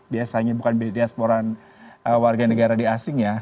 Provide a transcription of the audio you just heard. biasanya bukan diaspora warga negara di asing ya